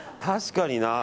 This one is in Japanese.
確かにな。